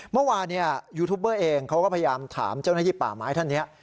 เมื่อวานยูทูปเบอร์เองเขาก็พยายามถามเจ้าหน้าที่ป่าไม้ท่านนี้